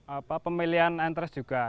apa pemilihan entres juga